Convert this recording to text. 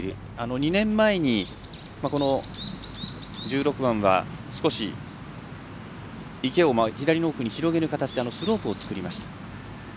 ２年前に１６番は少し池を左の奥に広げる形でスロープを作りました。